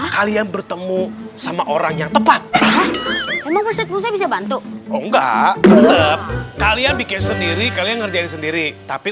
kalian bertemu sama orang yang tepat bisa bantu enggak kalian bikin sendiri kalian sendiri tapi